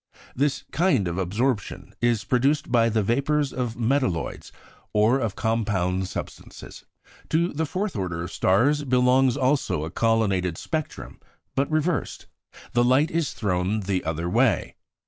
This kind of absorption is produced by the vapours of metalloids or of compound substances. To the fourth order of stars belongs also a colonnaded spectrum, but reversed; the light is thrown the other way.